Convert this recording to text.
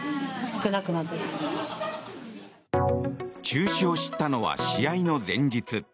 中止を知ったのは試合の前日。